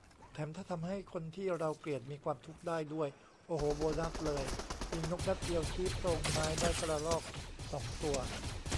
แถมถ้าทำให้คนที่เราเกลียดมีความทุกข์ได้ด้วย โอ้โห โบนัสเลย ยิงนกนัดเดียวชี้โพรงไม้ได้กระรอกสองตัว